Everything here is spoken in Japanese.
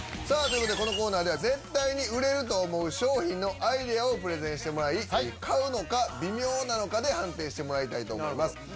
さあ、ということでこのコーナーでは、絶対に売れると思う商品のアイデアをプレゼンしてもらい、買うのかビミョーなのかで判定してもらいたいと思います。